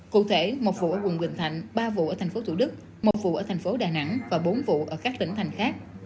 cụ thể một vụ ở quận bình thạnh ba vụ ở tp thủ đức một vụ ở tp đà nẵng và bốn vụ ở các lĩnh thành khác